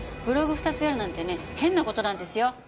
ブログ２つやるなんてね変な事なんですよ。